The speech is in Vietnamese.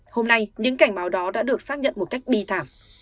hôm nay những cảnh báo đó đã được xác nhận một cách bi thảm